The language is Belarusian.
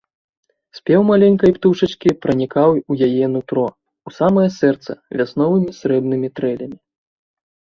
Спеў маленькай птушачкі пранікаў у яе нутро, у самае сэрца вясновымі срэбнымі трэлямі.